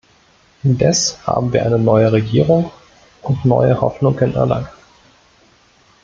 Indes haben wir eine neue Regierung und neue Hoffnung in Irland.